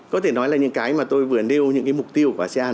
có thể nói là những cái mà tôi vừa nêu những cái mục tiêu của asean